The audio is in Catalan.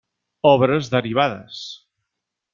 Obres derivades.